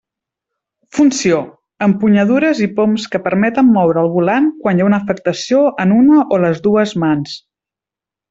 Funció: empunyadures i poms que permeten moure el volant quan hi ha afectació en una o les dues mans.